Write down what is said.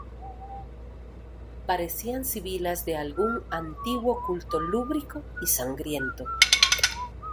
parecían sibilas de algún antiguo culto lúbrico y sangriento.